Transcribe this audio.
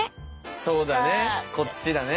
そうだねこっちだね。